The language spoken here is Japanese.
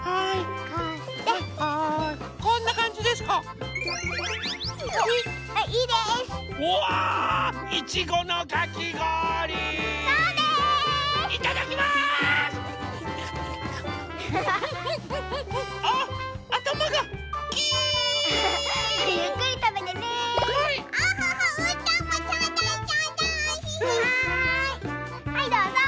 はいはいどうぞ。